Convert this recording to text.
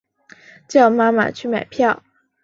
叫妈妈去买票